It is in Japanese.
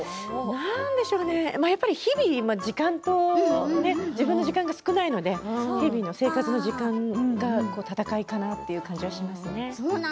なんでしょうね日々、時間と自分の時間が少ないので日々の生活の時間が闘いかなという感じはしますね。